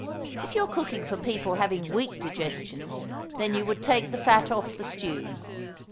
If you are cooking for people having weak digestions then you would take the fat off the stew.